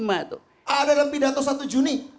ada dalam pidato satu juni